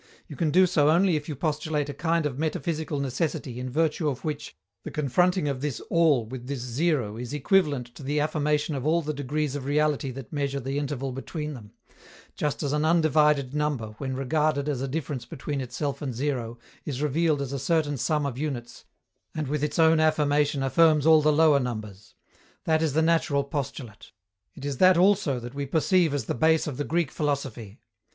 You can do so only if you postulate a kind of metaphysical necessity in virtue of which the confronting of this All with this Zero is equivalent to the affirmation of all the degrees of reality that measure the interval between them just as an undivided number, when regarded as a difference between itself and zero, is revealed as a certain sum of units, and with its own affirmation affirms all the lower numbers. That is the natural postulate. It is that also that we perceive as the base of the Greek philosophy.